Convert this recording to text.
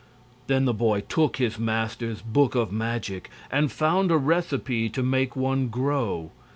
Then the boy took his master's book of magic and found a recipe to make one grow.